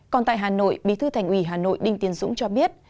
còn tại hà nội bí thư thành ủy hà nội đinh tiến dũng cho biết